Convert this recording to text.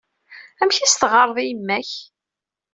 Amek i s-teɣɣareḍ i yemma-k?